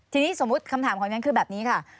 ทีนี้สมมุติคำถามของฉันคือแบบนี้ค่ะ